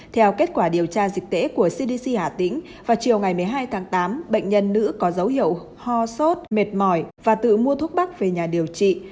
theo kết quả điều tra dịch tễ của cdc hà tĩnh vào chiều ngày một mươi hai tháng tám bệnh nhân nữ có dấu hiệu ho sốt mệt mỏi và tự mua thuốc bắc về nhà điều trị